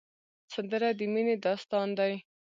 سندره د مینې داستان دی